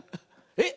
えっ